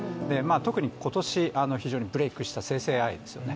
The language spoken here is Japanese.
特に今年、非常にブレークした生成ＡＩですよね。